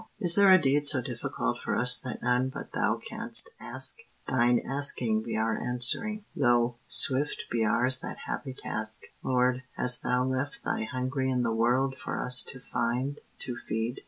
Is there a deed so difficult for us That none but Thou canst ask? Thine asking be our answering. Lo! swift Be ours that happy task. Lord, hast Thou left Thy hungry in the world For us to find, to feed?